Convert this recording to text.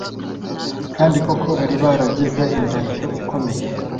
koko kandi, bari baragize indahiro ikomeye